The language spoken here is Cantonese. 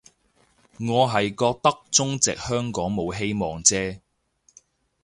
我係覺得中殖香港冇希望啫